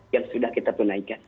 yang sudah kita tunaikan